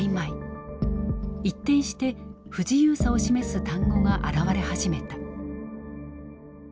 一転して不自由さを示す単語が現れ始めた。